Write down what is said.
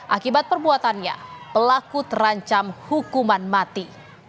akibat perbuatannya pelaku terancam hukuman mati